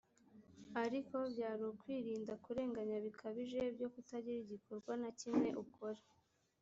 ariko byari ukwirinda kurenganya bikabije byo kutagira igikorwa na kimwe ukora